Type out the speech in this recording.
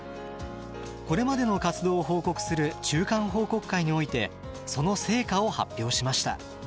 これまでの活動を報告する中間報告会においてその成果を発表しました。